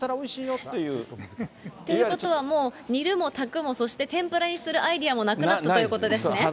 っていうことはもう、煮るも炊くもそして天ぷらにするアイデアもなくなったということ